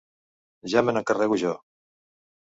Ja me n'encarrego jo.